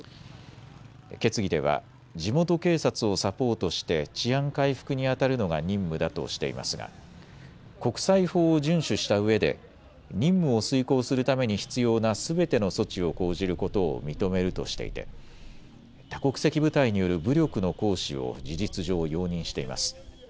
決議では地元警察をサポートして治安回復にあたるのが任務だとしていますが国際法を順守したうえで任務を遂行するために必要なすべての措置を講じることを認めるとしていて多国籍部隊による武力の行使を事実上、容認しています。